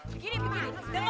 dengerin ibu ibu pak ya